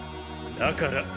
だから。